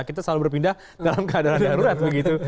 kita selalu berpindah dalam keadaan darurat begitu